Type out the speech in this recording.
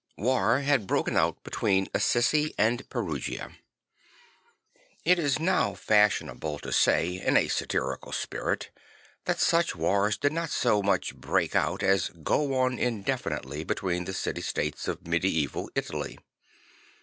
War had broken out between Assisi and Perugia. It is no\v fashionable to say in a satirical spirit that such wars did not so much break out as go on indefinitely between the city states of medieval Italy.